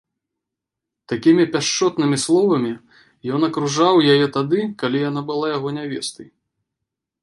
Такімі пяшчотнымі словамі ён абкружаў яе тады, калі яна была яго нявестай.